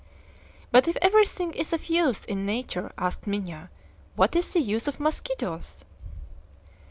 "But if everything is of use in nature," asked Minha, "what is the use of mosquitoes?"